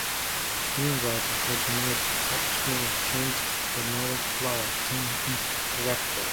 Screenwriter Hodge made substantial changes to the novel's plot, tone, and characters.